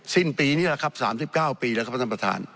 สิ้นปีนี้แหละครับ๓๙ปีแล้วครับท่านประธาน